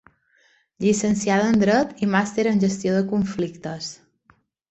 Llicenciada en dret i màster en gestió de conflictes.